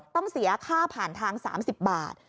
ต้องเสียค่าผ่านทาง๓๐บาท